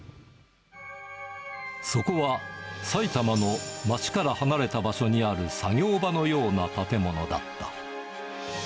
そこは、埼玉の街から離れた場所にある作業場のような建物だった。